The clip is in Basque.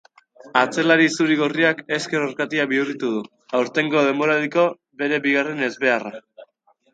Atzelari zuri-gorriak ezker orkatila bihurritu du, aurtengo denboraldiko bere bigarren ezbeharra.